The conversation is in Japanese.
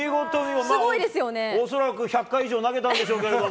恐らく１００回以上投げたんでしょうけれども。